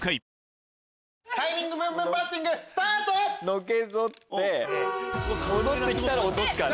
のけぞって戻ってきたら落とすから。